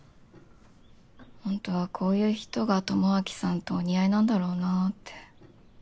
ほんとはこういう人が智明さんとお似合いなんだろうなって。